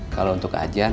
kalau untuk ajan